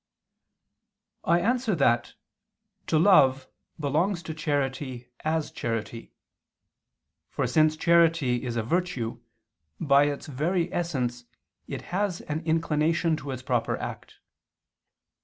I answer that, To love belongs to charity as charity. For, since charity is a virtue, by its very essence it has an inclination to its proper act.